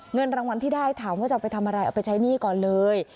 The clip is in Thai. เงินรางวัลที่ได้ถามว่าจะเอาไปทำอะไรเอาไปใช้หนี้ก่อนเลย